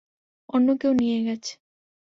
অন্য কেউ নিয়ে গেছে।